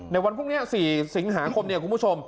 ในวันพรุ่งนี้๔สิงหาคมเนี่ยคุณผู้ชม